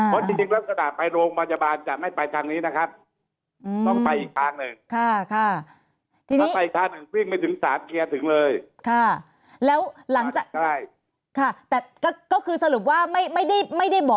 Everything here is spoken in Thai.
เพราะจริงลักษณะไปโรงพยาบาลจะไม่ไปทางนี้นะครับ